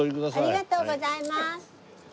ありがとうございます。